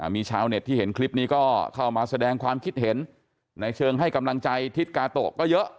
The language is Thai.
มีชาวเน็ตที่เห็นคลิปนี้ก็เข้ามาแสดงความคิดเห็นในเชิงให้กำลังใจทิศกาโตะก็เยอะ